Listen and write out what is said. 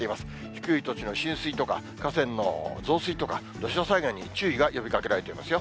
低い土地の浸水とか、河川の増水とか、土砂災害に注意が呼びかけられていますよ。